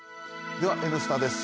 では、「Ｎスタ」です。